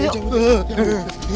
iya kita cepetan yuk